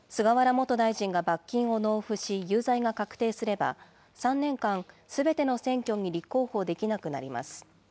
元大臣が罰金を納付し、有罪が確定すれば、３年間、すべての選挙に立候補できなくなります。